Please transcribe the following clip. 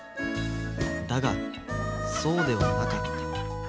だがそうではなかった。